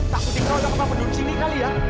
takutnya kau udah kemampuan disini kali ya